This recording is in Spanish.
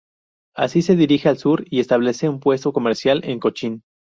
Así se dirige al sur y establece un puesto comercial en Cochín.